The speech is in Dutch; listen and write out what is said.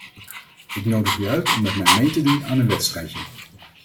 Ik nodig u uit om met mij mee te doen aan een wedstrijdje.